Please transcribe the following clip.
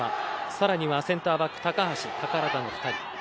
更にはセンターバック高橋、宝田の２人。